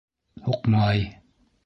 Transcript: Һуҡмай...